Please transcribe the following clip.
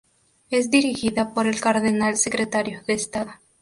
Es dirigida por el cardenal secretario de Estado.